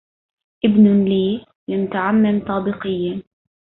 أبن لي لم تعمم طابقيا